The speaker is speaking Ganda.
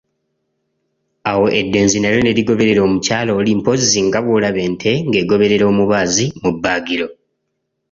Awo eddenzi nalyo ne ligoberera omukyala oli mpozzi nga bw'olaba ente ng'egoberera omubaazi mu bbaagiro!